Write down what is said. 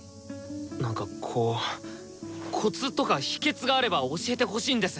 なんかこうコツとか秘けつがあれば教えてほしいんです！